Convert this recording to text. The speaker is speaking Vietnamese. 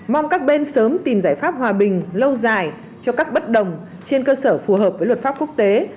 mong các bên sớm tìm giải pháp hòa bình lâu dài cho các bất đồng trên cơ sở phù hợp với luật pháp quốc tế